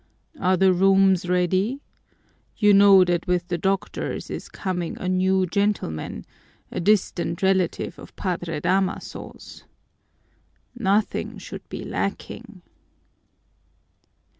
Are the rooms ready? You know that with the doctors is coming a new gentleman, a distant relative of Padre Damaso's. Nothing should be lacking."